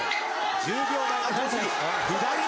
１０秒前。